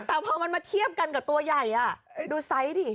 แต่พอมันมาเทียบกันกับตัวใหญ่ดูไซส์ดิ